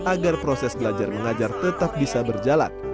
agar proses belajar mengajar tetap bisa berjalan